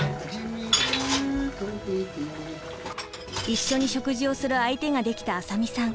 一緒に食事をする相手ができた浅見さん。